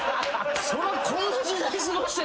そらこんな時代過ごしてたら。